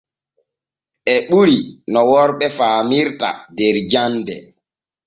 E ɓuri no worɓe faamirta der jande.